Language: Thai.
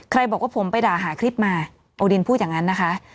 บอกว่าผมไปด่าหาคลิปมาโอดินพูดอย่างนั้นนะคะ